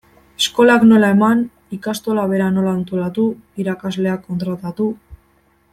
Eskolak nola eman, ikastola bera nola antolatu, irakasleak kontratatu...